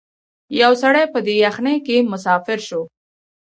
یو سړی په دې یخنۍ کي مسافر سو